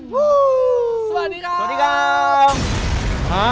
เฮ้้ววววสวัสดีครับ